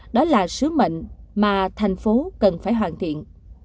đó là sứ mệnh mà thành phố cần phải hoàn thiện